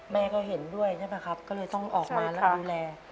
แม่ก็เห็นด้วยใช่ไหมครับก็เลยต้องออกมาแล้วดูแล